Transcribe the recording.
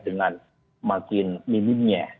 dengan makin minimnya